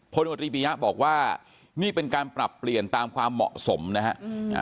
โมตรีปียะบอกว่านี่เป็นการปรับเปลี่ยนตามความเหมาะสมนะฮะ